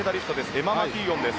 エマ・マキーオンです。